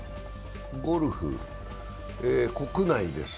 ゴルフ、国内です。